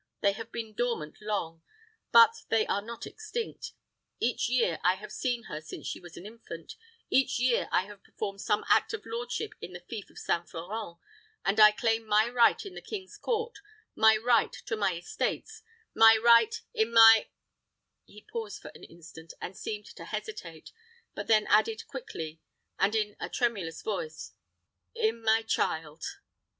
They have been dormant long; but they are not extinct. Each year have I seen her since she was an infant; each year have I performed some act of lordship in the fief of St. Florent; and I claim my right in the King's Court my right to my estates my right in my " He paused for an instant, and seemed to hesitate; but then added, quickly, and in a tremulous voice, "in my child."